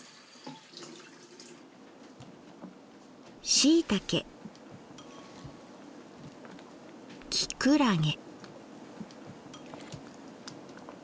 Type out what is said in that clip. しいたけきくらげ。